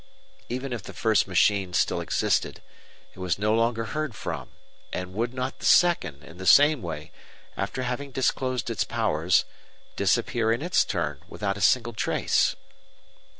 Even if the first machine still existed, it was no longer heard from; and would not the second, in the same way, after having disclosed its powers, disappear in its turn, without a single trace?